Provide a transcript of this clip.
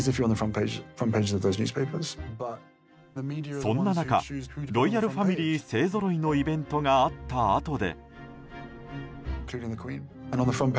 そんな中ロイヤルファミリー勢ぞろいのイベントがあったあとで。